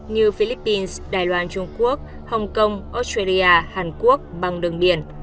như philippines đài loan trung quốc hồng kông australia hàn quốc bằng đường biển